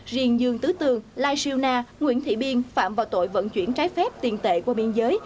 riêng dương tứ tường lai siêu na nguyễn thị biên phạm vào tội vận chuyển trái phép tiền tệ qua biên giới